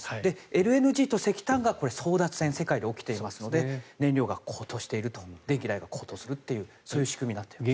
ＬＮＧと石炭がこれ、争奪戦が世界で起きているので燃料が高騰していると電気代が高騰するという仕組みになっています。